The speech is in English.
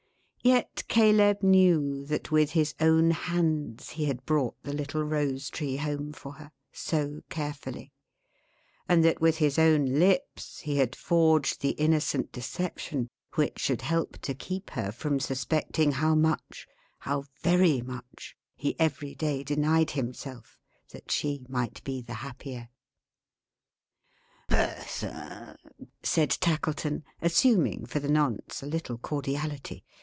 Yet Caleb knew that with his own hands he had brought the little rose tree home for her, so carefully; and that with his own lips he had forged the innocent deception which should help to keep her from suspecting how much, how very much, he every day denied himself, that she might be the happier. "Bertha!" said Tackleton, assuming, for the nonce, a little cordiality.